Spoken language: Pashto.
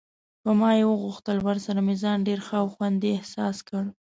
په ما یې واغوستل، ورسره مې ځان ډېر ښه او خوندي احساس کړ.